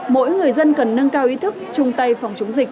mỗi người dân cần nâng cao ý thức chung tay phòng chống dịch